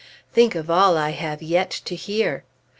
Think of all I have yet to hear!